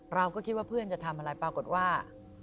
เราก็คิดว่าเพื่อนจะทำอะไรปรากฏว่า